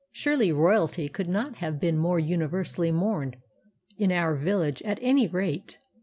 Surely Royalty could not have been more universally mourned—in our village, at any rate!